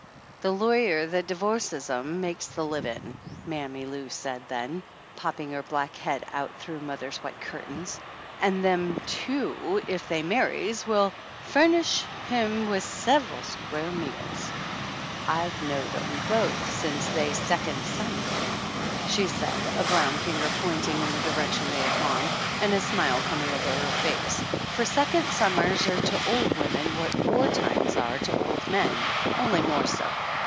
"The lawyer that divo'ces 'em makes the livin'," Mammy Lou said then, popping her black head out through mother's white cur tains. "An' them two, if they marries, will fu'nish him with sev'al square meals ! I've knowed 'em both sence they secon' summer," she said, a brown finger pointing in the direc tion they had gone, and a smile coming over her face, for second summers are to old women what war times are to old men, only more so.